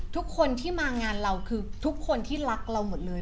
ทุกคนที่มางานเราคือทุกคนที่รักเราหมดเลย